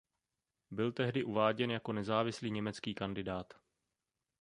Byl tehdy uváděn jako nezávislý německý kandidát.